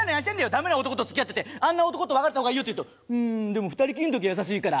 ダメな男と付き合ってて「あんな男と別れた方がいいよ」って言うと「うーんでも２人きりの時は優しいから」